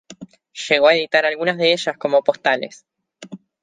Llegó a editar algunas de ellas como postales.